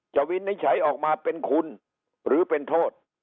วินิจฉัยออกมาเป็นคุณหรือเป็นโทษ